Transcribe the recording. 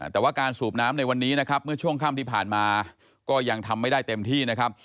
แต่ว่าการสูบน้ำในวันนี้นะครับเมื่อช่วงค่ำที่ผ่านมาก็ยังทำไม่ได้เต็มที่นะครับ